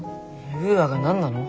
ウーアが何なの？